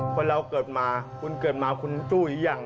คนเราเกิดมาคุณเกิดมาคุณสู้หรือยัง